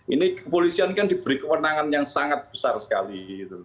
ini kepolisian kan diberi kewenangan yang sangat besar sekali